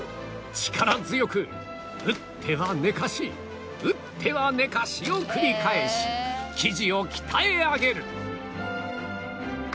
力強く打っては寝かし打っては寝かしを繰り返し生地を鍛え上げる